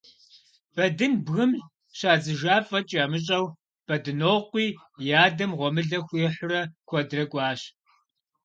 Бэдын бгым щадзыжа фӀэкӀ ямыщӀэу, Бэдынокъуи и адэм гъуэмылэ хуихьурэ куэдрэ кӀуащ.